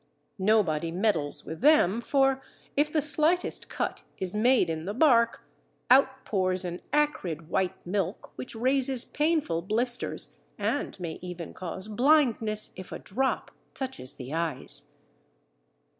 Nobody meddles with them for, if the slightest cut is made in the bark, out pours an acrid, white milk which raises painful blisters, and may even cause blindness if a drop touches the eyes.